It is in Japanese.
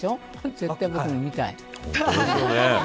絶対僕も見たい。